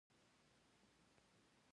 ګمارنه د لیاقت او شایستګۍ په اساس کیږي.